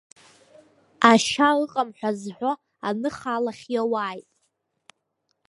Ашьа ыҟам ҳәа зҳәо аныха алахь иоуааит!